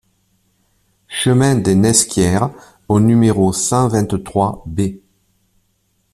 Chemin des Nesquières au numéro cent vingt-trois B